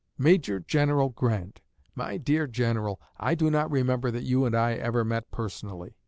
MAJOR GENERAL GRANT. MY DEAR GENERAL: I do not remember that you and I ever met personally.